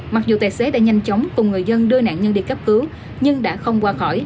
mặc dù tài xế đã nhanh chóng cùng người dân đưa nạn nhân đi cấp cứu nhưng đã không qua khỏi